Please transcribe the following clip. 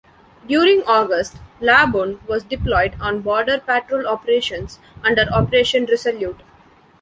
During August, "Labuan" was deployed on border patrol operations under Operation Resolute.